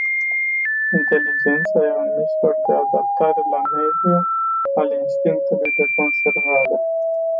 Inteligența e un mijloc de adaptare la mediu al instinctului de conservare.